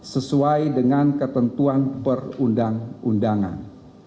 sesuai dengan ketentuan perundang undangan